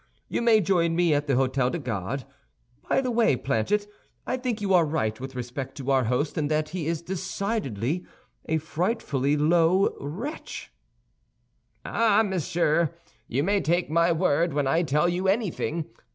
You may join me at the Hôtel des Gardes. By the way, Planchet, I think you are right with respect to our host, and that he is decidedly a frightfully low wretch." "Ah, monsieur, you may take my word when I tell you anything.